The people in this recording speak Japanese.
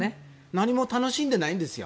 何も楽しんでないんですよ。